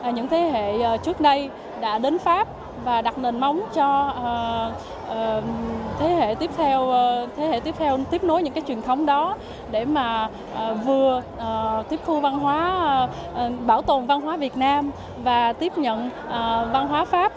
những thế hệ trước đây đã đến pháp và đặt nền móng cho thế hệ tiếp theo tiếp nối những truyền thống đó để vừa tiếp thu văn hóa bảo tồn văn hóa việt nam và tiếp nhận văn hóa pháp